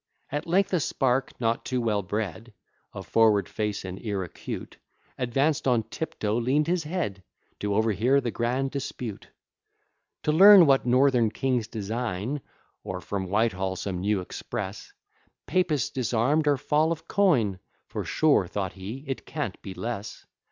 At length a spark, not too well bred, Of forward face and ear acute, Advanced on tiptoe, lean'd his head, To overhear the grand dispute; To learn what Northern kings design, Or from Whitehall some new express, Papists disarm'd, or fall of coin; For sure (thought he) it can't be less.